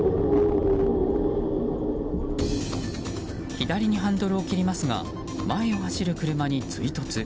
左にハンドルを切りますが前を走る車に追突。